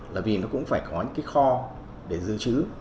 là vì nó cũng phải có những cái kho để giữ chữ